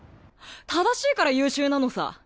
正しいから優秀なのさ。